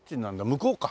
向こうか。